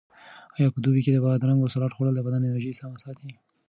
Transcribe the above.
آیا په دوبي کې د بادرنګو سالاډ خوړل د بدن انرژي په سمه ساتي؟